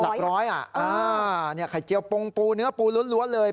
หลักร้อยไข่เจียวปรงปูเนื้อปูล้วนเลย